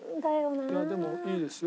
でもいいですよ